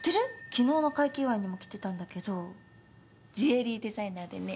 昨日の快気祝いにも来てたんだけどジュエリーデザイナーでね